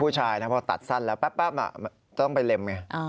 ผู้ชายนะพอตัดสั้นแล้วแป๊บต้องไปเล็มไง